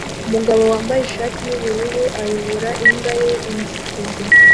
Umugore wambaye ishati yubururu ayobora imbwa ye inzitizi